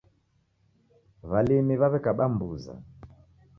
W'alimi w'aw'ekaba mbuza